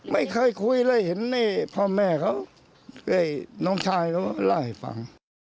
ไม่เคยคุยเลยเห็นนี่พ่อแม่เขาน้องชายเขาเล่าให้ฟัง